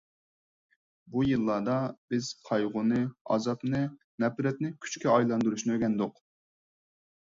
بۇ يىللاردا بىز قايغۇنى، ئازابنى، نەپرەتنى كۈچكە ئايلاندۇرۇشنى ئۆگەندۇق.